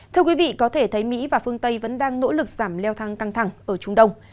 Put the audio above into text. thưa quý vị có thể thấy mỹ và phương tây vẫn đang nỗ lực giảm leo thang căng thẳng ở trung đông